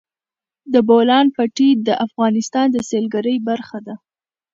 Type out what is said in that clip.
د بولان پټي د افغانستان د سیلګرۍ برخه ده.